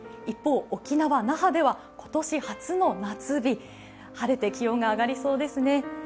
一方、沖縄・那覇では今年初の夏日。晴れて気温が上がりそうですね。